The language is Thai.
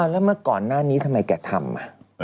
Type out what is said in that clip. แล้วเมื่อก่อนหน้านี้ทำไมแกทำ